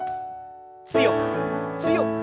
強く強く。